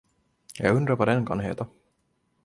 Jag undrar vad den kan heta.